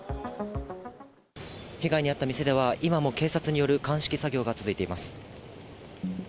被害に遭った店では今も警察による鑑識作業が続いています。